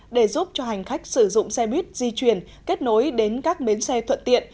để giúp cho hành khách sử dụng xe buýt di chuyển kết nối đến các bến xe thuận tiện